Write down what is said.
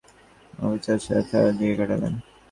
আফসার সাহেব সারারাত জেগে কাটালেন।